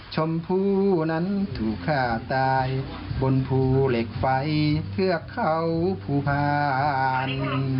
ชมพู่นั้นถูกฆ่าตายบนภูเหล็กไฟเทือกเขาภูพาน